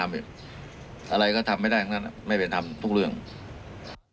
อะไรก็ทำไม่ได้ไม่เป็นเป็นทำ